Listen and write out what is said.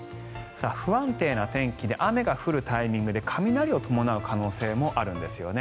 不安定な天気で雨が降るタイミングで雷を伴う可能性もあるんですね。